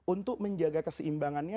untuk menjaga keseimbangannya